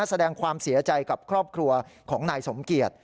แสดงความเสียใจกับครอบครัวของนายสมเกียจ